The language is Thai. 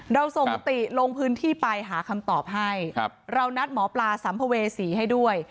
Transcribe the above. เราส่งติลงพื้นที่ไปหาคำตอบให้เรานัดหมอปลาสัมภเวษีให้ด้วย